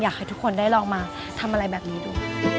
อยากให้ทุกคนได้ลองมาทำอะไรแบบนี้ดู